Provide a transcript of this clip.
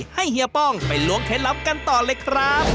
เฮียป้องไปล้วงเคล็ดลับกันต่อเลยครับ